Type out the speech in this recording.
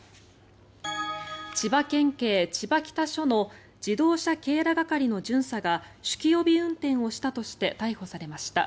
千葉県警千葉北署の自動車警ら係の巡査が酒気帯び運転をしたとして逮捕されました。